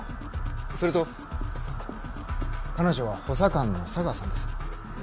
それと彼女は補佐官の茶川さんです。